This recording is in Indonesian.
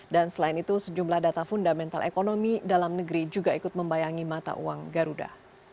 dan selain itu sejumlah data fundamental ekonomi dalam negeri juga ikut membayangi mata uang garuda